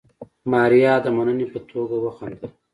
ماريا د مننې په توګه وخندل.